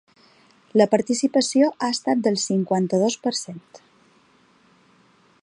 La participació ha estat del cinquanta-dos per cent.